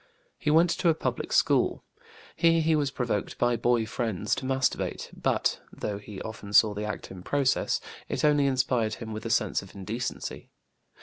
He went to a public school. Here he was provoked by boy friends to masturbate, but, though he often saw the act in process, it only inspired him with a sense of indecency.